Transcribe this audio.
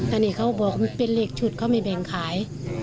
อันนี้เขาบอกเป็นเลขชุดเขาไม่แบ่งขาย